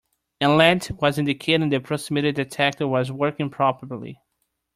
An LED was indicating the proximity detector was working properly.